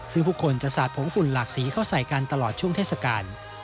ซึ่งผู้คนจะสาดผงฝุ่นหลากสีเข้าใส่กันตลอดช่วงเทศกาล